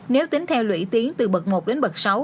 nếu tính theo lũy tiến từ bật một đến bật sáu